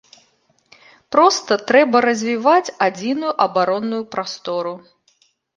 Проста трэба развіваць адзіную абаронную прастору.